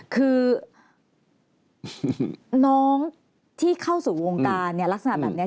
คือน้องที่เข้าสู่วงการเนี่ยลักษณะแบบนี้